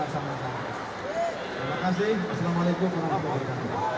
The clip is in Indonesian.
assalamualaikum warahmatullahi wabarakatuh